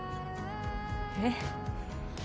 えっ？